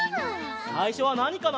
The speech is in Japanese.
さいしょはなにかな？